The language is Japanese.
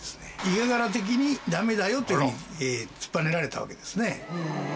家柄的にダメだよというふうに突っぱねられたわけですね。